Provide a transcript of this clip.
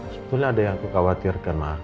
sebetulnya ada yang aku khawatirkan ma